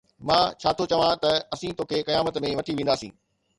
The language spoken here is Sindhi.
مان ڇا ٿو چوان ته ”اسين توکي قيامت ۾ وٺي وينداسين“.